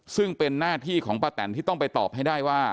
ซึ่งเป็นหน้าที่ของป้าแตนที่ต้องไปตอบให้ได้ว่า